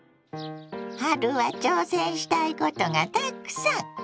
春は挑戦したいことがたくさん！